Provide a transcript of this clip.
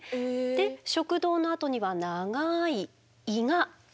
で食道のあとには長い胃が続きます。